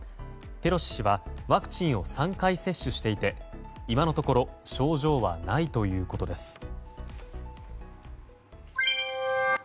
ペロシ氏はワクチンを３回接種していて今のところ症状はないということです。